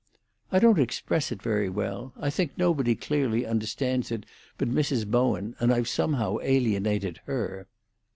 I don't express it very well. I think nobody clearly understands it but Mrs. Bowen, and I've somehow alienated her."